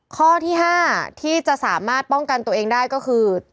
ข้อที่๕ที่จะสามารถป้องกันตัวเองได้ก็คือ